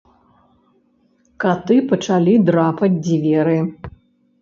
Каты пачалі драпаць дзверы.